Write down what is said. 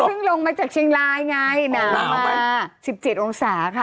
เพิ่งลงมาจากเชียงรายไงหนาวมา๑๗องศาค่ะ